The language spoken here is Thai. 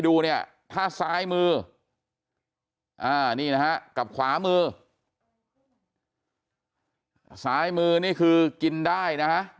ดูเนี่ยถ้าซ้ายมือนี่นะฮะกับขวามือซ้ายมือนี่คือกินได้นะฮะ